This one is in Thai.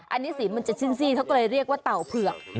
อันนี้สีมันจะสิ้นซี่เขาก็เลยเรียกว่าเต่าเผือก